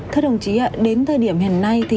thưa đồng chí đến thời điểm hiện nay